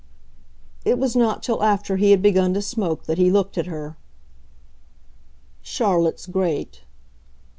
It was not till after he had begun to smoke that he looked at her. "Charlotte's great."